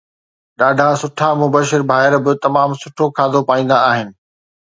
ڏاڍا سٺا مبشر ڀائر به تمام سٺو کاڌو پائيندا آهن